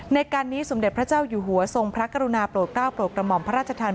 ในการนี้สมเด็จพระเจ้าอยู่หัวทรงพระกรุณาโปรดกล้าวโปรดกระหม่อมพระราชทาน